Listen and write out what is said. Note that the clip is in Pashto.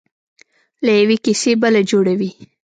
له یوې کیسې بله جوړوي.